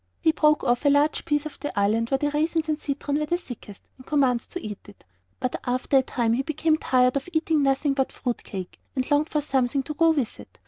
He broke off a large piece of the island where the raisins and citron were thickest, and commenced to eat it. But after a time he became tired of eating nothing but fruit cake, and longed for something to go with it.